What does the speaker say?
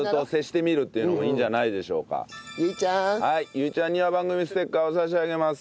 ゆいちゃんには番組ステッカーを差し上げます。